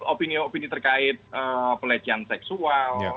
opini opini terkait pelecehan seksual